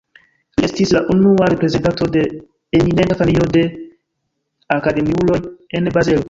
Li estis la unua reprezentanto de eminenta familio de akademiuloj en Bazelo.